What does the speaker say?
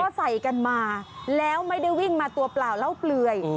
ใส่กันมาแล้วไม่ได้วิ่งมาตัวเปล่าเล่าเปลือย